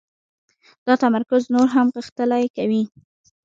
دا تمرکز نور هم غښتلی کوي.